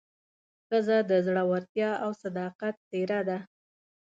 ښځه د زړورتیا او صداقت څېره ده.